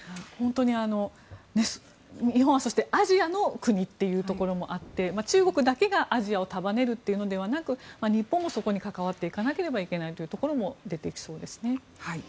本当に日本は、そしてアジアの国というところもあって中国だけがアジアを束ねるというのではなく日本も、そこに関わっていかなければいけないというところも出てきそうですね。